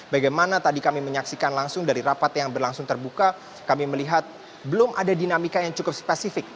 bagaimana tadi kami menyaksikan langsung dari rapat yang berlangsung terbuka kami melihat belum ada dinamika yang cukup spesifik